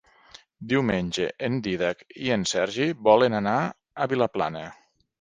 Diumenge en Dídac i en Sergi volen anar a Vilaplana.